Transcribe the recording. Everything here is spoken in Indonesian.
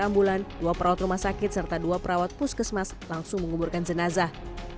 enam bulan dua perawat rumah sakit serta dua perawat puskesmas langsung menguburkan jenazah